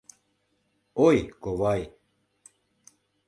Ой, ковай.